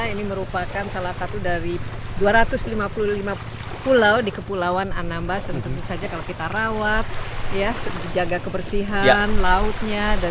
ini merupakan salah satu dari dua ratus lima puluh lima pulau di kepulauan anambas dan tentu saja kalau kita rawat jaga kebersihan lautnya